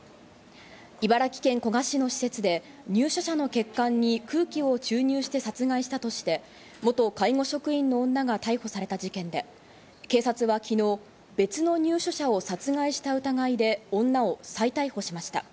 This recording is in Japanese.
茨城県古河市の施設で入所者の血管に空気を注入して殺害したとして、元介護職員の女が逮捕された事件で、警察は昨日、別の入所者を殺害した疑いで女を再逮捕しました。